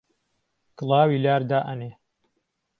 کڵاوی لار دائەنێ